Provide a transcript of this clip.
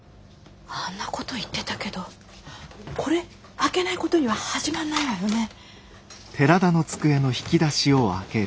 あんなこと言ってたけどこれ開けないことには始まんないわよね。